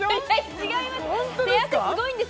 違います